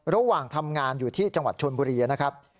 ระหว่างทำงานอยู่ที่จังหวัดชนบุรีนะครับ